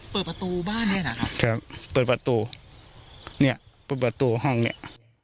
เปิดประตูบ้านให้นะครับครับเปิดประตูเนี่ยเปิดประตูห้องเนี้ย